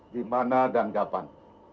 di mana dan depan